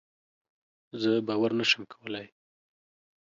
زه باور نشم کولی.